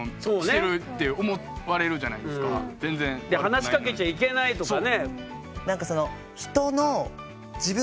話しかけちゃいけないとかね。